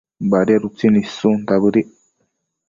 Badiad utsin issunta bëdic